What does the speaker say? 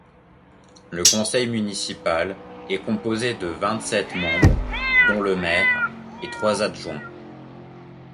Le conseil municipal est composé de vingt-sept membres dont le maire et trois adjoints.